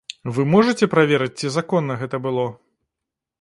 Вы можаце праверыць, ці законна гэта было.